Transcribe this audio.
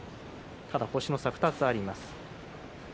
ただ星の差が２つあります。